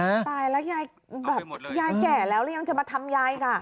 ตายแล้วยายแก่แล้วยังจะมาทำยายค่ะ